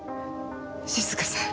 静香さん。